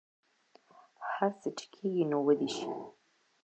هر څه چې کیږي نو ودې شي